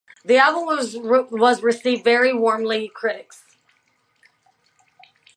The album was received very warmly critics.